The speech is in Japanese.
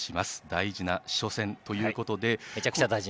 大事な初戦ということで。